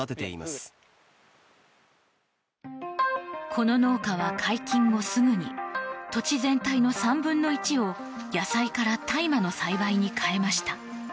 この農家は解禁後すぐに土地全体の３分の１を野菜から大麻の栽培に変えました。